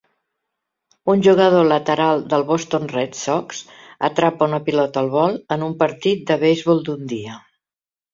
Un jugador lateral del Boston Red Sox atrapa una pilota al vol en un partit de beisbol d'un dia.